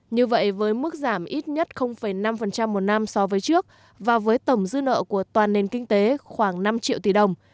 như vậy với mức giảm ít nhất năm một năm so với trước và với tổng dư nợ của toàn nền kinh tế khoảng năm triệu tỷ đồng